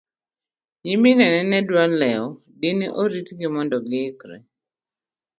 nyiminene ne do lewo dine oritgi mondo gi ikre